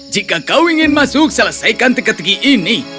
jika kau ingin masuk selesaikan tegak tegi ini